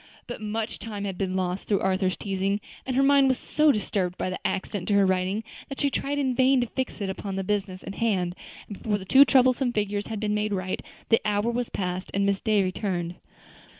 But much time had been lost through Arthur's teasing, and her mind was so disturbed by the accident to her writing that she tried in vain to fix it upon the business in hand; and before the two troublesome figures had been made right, the hour was past and Miss Day returned.